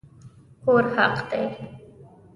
کور حق دی